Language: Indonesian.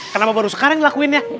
kenapa baru sekarang ngelakuinnya